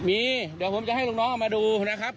มีเดี๋ยวผมจะให้ลูกน้องเอามาดูนะครับ